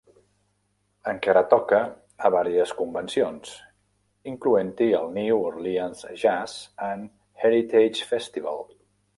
Encara toca a varies convencions, incloent-hi el New Orleans Jazz and Heritage Festival.